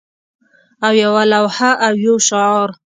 او یوه لوحه او یو شعار